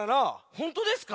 ほんとですか？